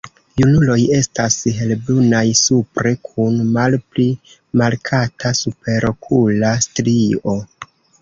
Junuloj estas helbrunaj supre kun malpli markata superokula strio.